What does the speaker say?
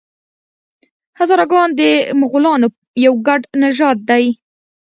هزاره ګان د مغولانو یو ګډ نژاد دی.